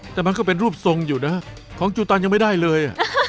แต่มันก็เป็นรูปทรงอยู่นะของจูตันยังไม่ได้เลย